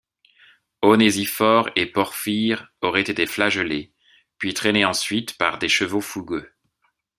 Onésiphore et Porphyre auraient été flagellés, puis traînés ensuite par des chevaux fougueux.